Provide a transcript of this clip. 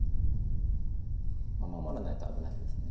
守らないと危ないです。